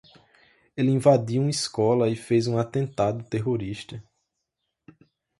Ele invadiu uma escola e fez um atentado terrorista